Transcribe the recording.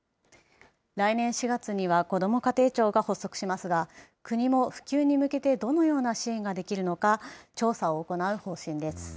来年４月にはこども家庭庁が発足しますが、国も普及に向けてどのような支援ができるのか調査を行う方針です。